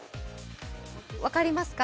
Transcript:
分かりますか？